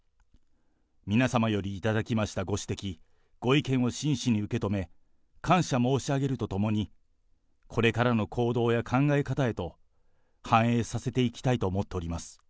皆様より頂きましたご指摘、ご意見を真摯に受け止め、感謝申し上げるとともに、これからの行動や考え方へと、反映させていきたいと思っております。